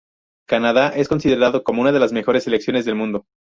Canadá es considerado como una de las mejores selecciones del mundo.